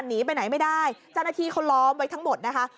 หนีไปไหนไม่ได้เจ้าหน้าที่เขาล้อมไว้ทั้งหมดนะคะ